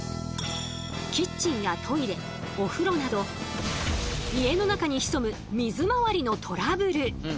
キッチンやトイレお風呂など家の中に潜む水まわりのトラブル！